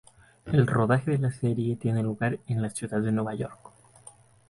El rodaje de la serie tiene lugar en la ciudad de Nueva York.